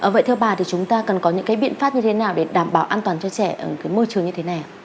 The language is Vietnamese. vậy theo bà thì chúng ta cần có những cái biện pháp như thế nào để đảm bảo an toàn cho trẻ ở cái môi trường như thế nào